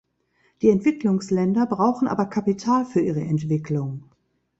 Die Entwicklungsländer brauchen aber Kapital für ihre Entwicklung.